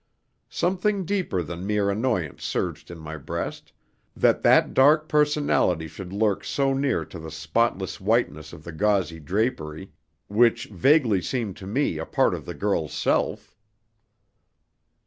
Something deeper than mere annoyance surged in my breast, that that dark personality should lurk so near to the spotless whiteness of the gauzy drapery, which vaguely seemed to me a part of the girl's self.